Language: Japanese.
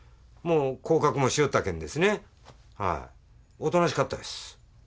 おとなしかったです。